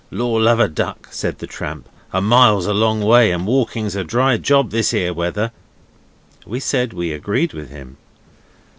'Lor' love a duck!' said the tramp, 'a mile's a long way, and walking's a dry job this 'ere weather.' We said we agreed with him.